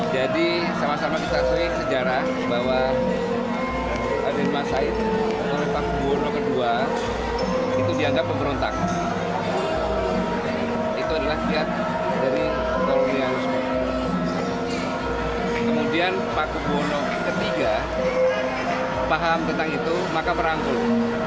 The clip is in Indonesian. jadi kalau ini harus berlaku kemudian paku buwono iii paham tentang itu maka meramput